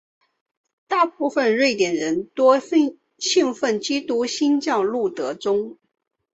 大部分瑞典人多信奉基督新教路德宗。